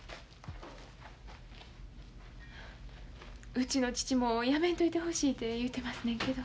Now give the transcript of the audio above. うちの父もやめんといてほしいて言うてますねんけど。